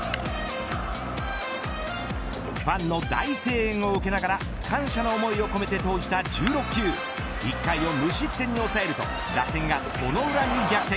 ファンの大声援を受けながら感謝の思いを込めて投じた１６球１回を無失点に抑えると打線がその裏に逆転。